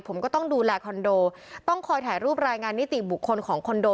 ผมก็ต้องดูแลคอนโดต้องคอยถ่ายรูปรายงานนิติบุคคลของคอนโด